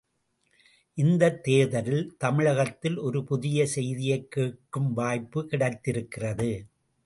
இந்தத் தேர்தலில் தமிழகத்தில் ஒரு புதிய செய்தியைக் கேட்கும் வாய்ப்புக் கிடைத்திருக்கிறது.